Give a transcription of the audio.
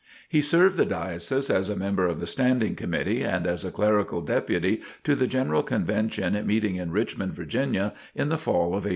He served the Diocese as a member of the Standing Committee, and as a clerical deputy to the General Convention meeting in Richmond, Virginia, in the Fall of 1859.